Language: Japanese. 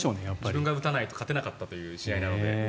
自分が打たないと勝てなかったという試合なので。